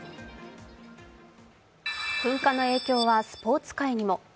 噴火の影響はスポーツ界にも。